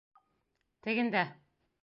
Тегендә!